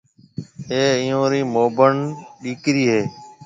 اَي ايئيون رِي موڀڻ ڏِيڪرِي هيَ۔